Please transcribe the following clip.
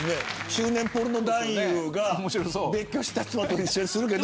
中年ポルノ男優が別居した妻と一緒に住むけど。